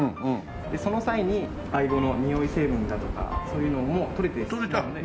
その際にアイゴのにおい成分だとかそういうのも取れてしまうので。